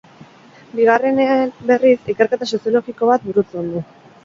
Bigarrenean, berriz, ikerketa soziologiko bat burutzen du.